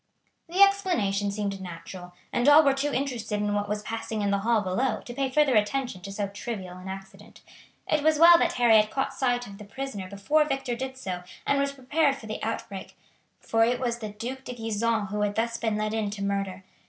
The explanation seemed natural, and all were too interested in what was passing in the hall below to pay further attention to so trivial an incident. It was well that Harry had caught sight of the prisoner before Victor did so and was prepared for the out break, for it was the Duc de Gisons who had thus been led in to murder.